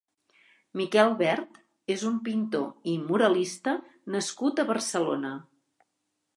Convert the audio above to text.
Miquel Wert és un pintor i muralista nascut a Barcelona.